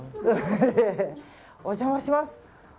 お邪魔します。